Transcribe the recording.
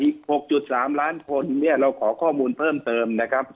อีก๖๓ล้านคนเนี่ยเราขอข้อมูลเพิ่มเติมนะครับ